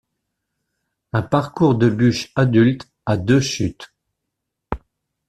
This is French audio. Un parcours de bûches adulte à deux chutes.